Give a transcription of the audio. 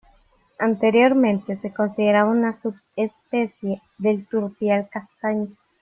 Anteriormente se consideraba una subespecie del turpial castaño.